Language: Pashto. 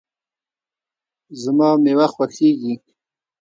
زما مېوه خوښیږي